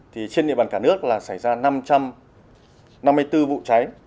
thì trên địa bàn cả nước là xảy ra năm trăm năm mươi bốn vụ cháy